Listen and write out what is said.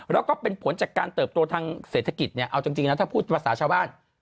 แล้วก็เป็นผลจากการเติบโตทางเศรษฐกิจเนี่ยเอาจริงนะถ้าพูดภาษาชาวบ้าน